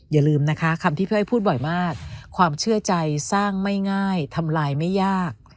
อย่าลืมนะคะคำที่พี่อ้อยพูดบ่อยมากความเชื่อใจสร้างไม่ง่ายทำลายไม่ยาก